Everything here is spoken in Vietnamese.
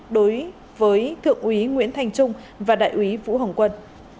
đối với thượng úy nguyễn thành trung và đại úy vũ hồng quân